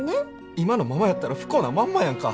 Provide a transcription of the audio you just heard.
今のままやったら不幸なまんまやんか。